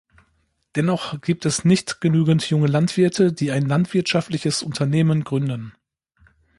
Dennoch gibt es nicht genügend junge Landwirte, die ein landwirtschaftliches Unternehmen gründen.